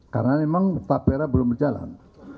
karena memang tapera belum berjalan